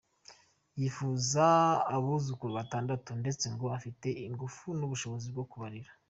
Yifuza abuzukuru batandatu ndetse ngo afite ingufu n’ubushobozi bwo kubarera.